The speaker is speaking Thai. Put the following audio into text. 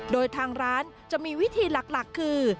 โดยทางร้านจะมีวิธีหลักคือ